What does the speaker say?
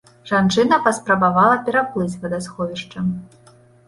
Жанчына паспрабавала пераплыць вадасховішча.